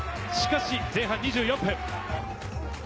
しかし前半２４分。